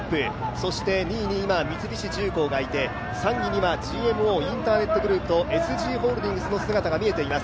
そして２位に今、三菱重工がいて３位にはＧＭＯインターネットグループとＳＧホールディングスの姿が見えています。